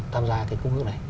tham gia cái công ước này